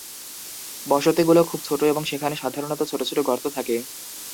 বসতিগুলো খুবই ছোট এবং সেখানে সাধারণত ছোট ছোট গর্ত থাকে।